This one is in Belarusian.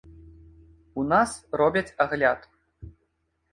У нас робяць агляд.